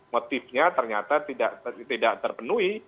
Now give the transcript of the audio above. motifnya ternyata tidak terpenuhi